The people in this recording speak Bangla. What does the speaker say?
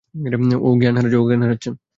ও জ্ঞান হারাচ্ছে।